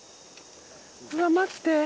うわっ待って。